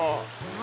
何？